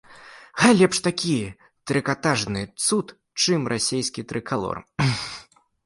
Хай лепш такі трыкатажны цуд, чым расійскі трыкалор.